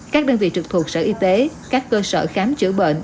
các đơn vị trực thuộc sở y tế các cơ sở khám chữa bệnh